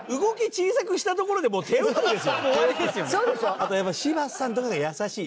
あとやっぱり柴田さんとかが優しい。